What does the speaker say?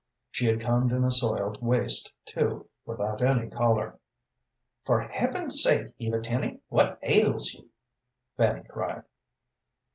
She had come in a soiled waist, too, without any collar. "For Heaven's sake, Eva Tenny, what ails you?" Fanny cried.